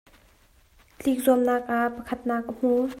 Tlik zuamnak ah pakhatnak a hmu.